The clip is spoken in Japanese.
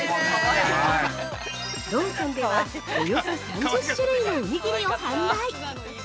◆ローソンでは、およそ３０種類のおにぎりを販売。